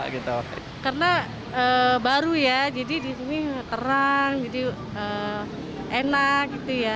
karena baru ya jadi disini terang jadi enak gitu ya